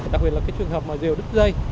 đặc biệt là cái trường hợp mà diều đứt dây